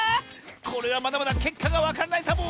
これはまだまだけっかがわからないサボ！